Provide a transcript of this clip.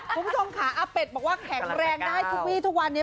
คุณผู้ชมค่ะอาเป็ดบอกว่าแข็งแรงได้ทุกวีทุกวันนี้